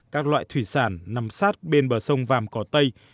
các loại thủy sản nằm sát bên bờ sông vàm cỏ tây